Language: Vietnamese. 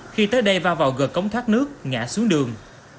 khi tới đây va vào gợt cống thoát nước ngã xuống đường